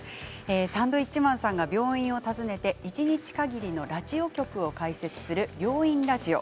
サンドウィッチマンさんが病院を訪ねて一日かぎりのラジオ局を開設する「病院ラジオ」